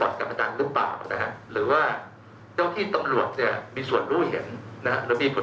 ส่วนจะมีใครรู้เห็นหรือไม่ก็ขอเวลาตรวจสอบครับ